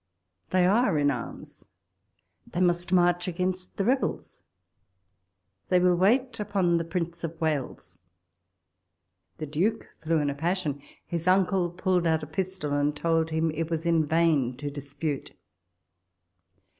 " They are in arms." —" They must march against the rebels." "They will wait on the Prince of Wales." The Duke flew in a passion ; his uncle pulled out a pistol, and told him it was in vain to dispute.